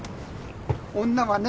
女はね